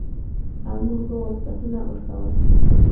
او موږ به واسکټونه ورکول.